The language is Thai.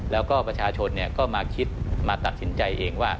แล้วก็ประชาชนก็มาคิดมาตัดสินใจเองว่า